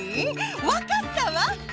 わかったわ！